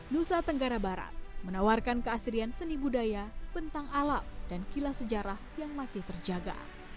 nusa tenggara barat menawarkan keasrian seni budaya bentang alam dan kilas sejarah yang masih terjaga